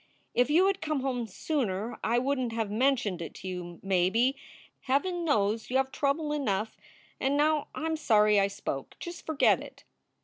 If you had come home sooner I wouldn t have mentioned it to you, maybe! Heaven knows you have trouble enough, and now I m sorry I spoke. Just forget it."